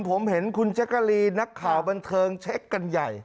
ผมเห็นคุณแจ๊กกะลีนนักข่าวบันเทิงเช็คกันใหญ่